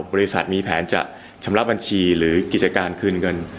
บริษัทมีแผนจะชำระบัญชีหรือกิจการคืนเงิน